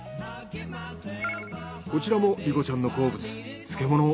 こちらも莉心ちゃんの好物漬物。